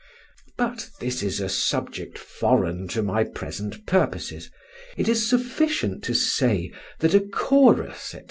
But this is a subject foreign to my present purposes; it is sufficient to say that a chorus, &c.